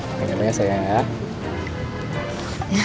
nggak ada masalah ya